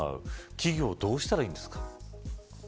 企業はどうしたらいいんですか。